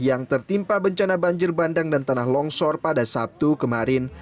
yang tertimpa bencana banjir bandang dan tanah longsor pada sabtu kemarin